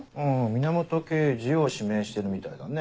源刑事を指名してるみたいだね。